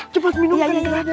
cepat minumkan rade